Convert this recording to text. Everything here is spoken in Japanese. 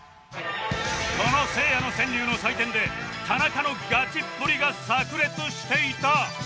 このせいやの川柳の採点で田中のガチっぷりが炸裂していた